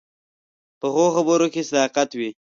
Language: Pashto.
پخو خبرو کې صداقت وي